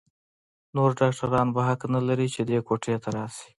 نور ډاکتران به حق نه لري چې دې کوټې ته راشي.